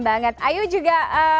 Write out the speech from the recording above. banget ayu juga